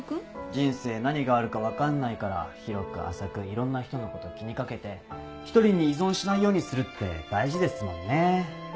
人生何があるか分かんないから広く浅くいろんな人のこと気に掛けて１人に依存しないようにするって大事ですもんね。